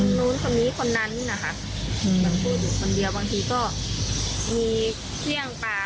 นู้นคนนี้คนนั้นนะคะเหมือนพูดอยู่คนเดียวบางทีก็มีเครื่องปลา